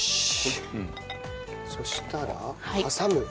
そしたら挟む。